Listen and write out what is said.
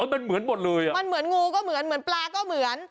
มันเหมือนหมดเลยอ่ะมันเหมือนงูก็เหมือนเหมือนปลาก็เหมือน